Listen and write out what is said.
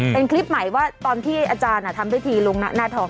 เป็นคลิปใหม่ว่าตอนที่อาจารย์ทำพิธีลงหน้าทอง